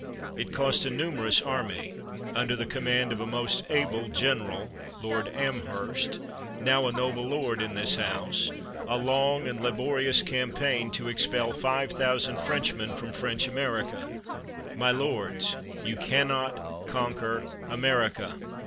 It cost a numerous army, under the command of a most able general 215 THE WORLD'S FAMOUS ORATIONS [Lord Amherst], now a noble lord in this House, a long and laborious campaign, to expel five thousand Frenchmen from French America. My lords, you can not conquer America.